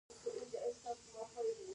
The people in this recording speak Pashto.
مزال باید ګډ وي نه بېل.